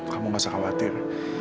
kamu nggak usah khawatir